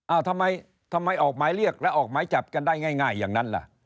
ทำไมทำไมออกหมายเรียกแล้วออกหมายจับกันได้ง่ายอย่างนั้นล่ะ